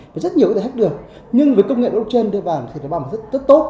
và rất nhiều người ta hát được nhưng với công nghệ blockchain đưa vào thì nó bảo mật rất tốt